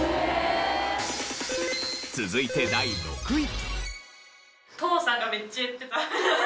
続いて第６位。